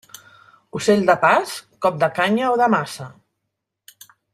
Ocell de pas, cop de canya o de maça.